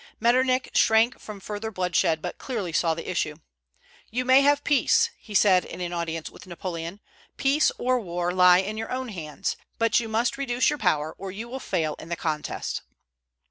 Metternich shrank from further bloodshed, but clearly saw the issue. "You may still have peace," said he in an audience with Napoleon. "Peace or war lie in your own hands; but you must reduce your power, or you will fail in the contest."